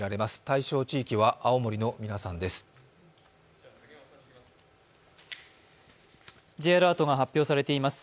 対象地域は青森の皆さんです。